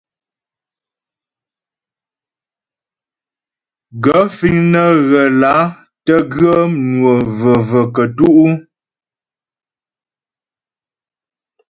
Gaə̂ fíŋ nə́ ghə́ lǎ tə́ ghə́ mnwə və̀və̀ kətú' ?